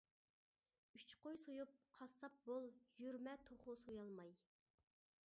ئۈچ قوي سويۇپ قاسساپ بول، يۈرمە توخۇ سويالماي.